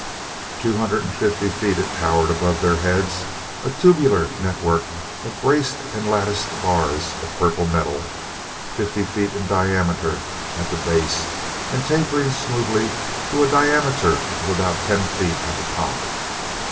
Two hundred and fifty feet it towered above their heads, a tubular network of braced and latticed bars of purple metal, fifty feet in diameter at the base and tapering smoothly to a diameter of about ten feet at the top.